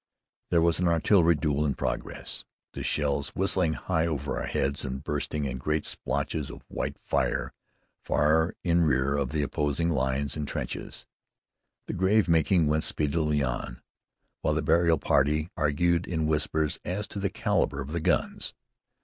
There was an artillery duel in progress, the shells whistling high over our heads, and bursting in great splotches of white fire, far in rear of the opposing lines of trenches. The grave making went speedily on, while the burial party argued in whispers as to the caliber of the guns.